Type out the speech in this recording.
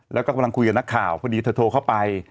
แล้วก็กำลังคุยกับนักข่าวพอดีเธอโทรเข้าไป